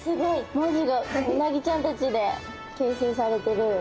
文字がうなぎちゃんたちで形成されてる。